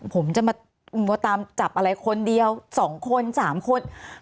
ผมจะมามันว่าทำจับอะไรคนเดียว๒๓คน